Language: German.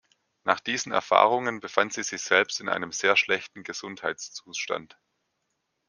Nach diesen Erfahrungen befand sie sich selbst in einem sehr schlechten Gesundheitszustand.